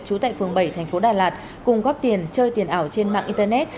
trú tại phường bảy tp đà lạt cùng góp tiền chơi tiền ảo trên mạng internet